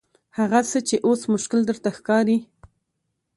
هغه څه چې اوس مشکل درته ښکاري.